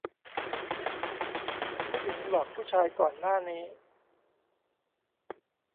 ผู้หญิงหลอกผู้ชายก่อนหน้านี้